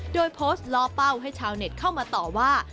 โดยโพสต์ล่อเป้าให้ชาวเน็ตเข้ามาต่อว่า